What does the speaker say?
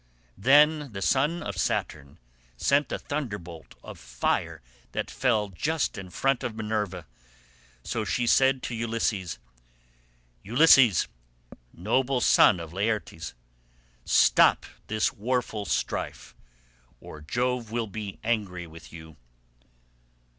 Then the son of Saturn sent a thunderbolt of fire that fell just in front of Minerva, so she said to Ulysses, "Ulysses, noble son of Laertes, stop this warful strife, or Jove will be angry with you."